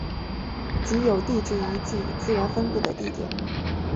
即有地质遗迹资源分布的地点。